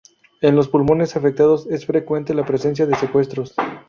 En los pulmones afectados es frecuente la presencia de secuestros.